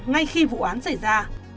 ngay khi vụ án xảy ra